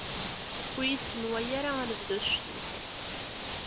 Ur iyi-ssenway ara anebdu d ccetwa!